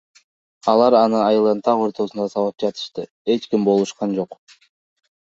Алар аны айылдын так ортосунда сабап жатышты, эч ким болушкан жок.